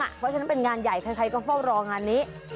เพราะฉะนั้นเป็นงานใหญ่ใครก็เฝ้ารองานนี้